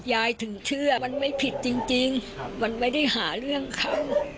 ถึงเชื่อมันไม่ผิดจริงมันไม่ได้หาเรื่องเขา